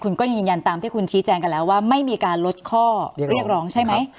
คุณก็ยืนยันตามที่คุณชี้แจงกันแล้วว่าไม่มีการลดข้อเรียกร้องใช่ไหม